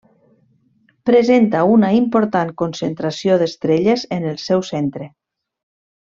Presenta una important concentració d'estrelles en el seu centre.